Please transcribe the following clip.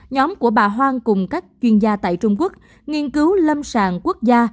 nhóm của bà hoang cùng các chuyên gia tại trung quốc nghiên cứu lâm sàng quốc gia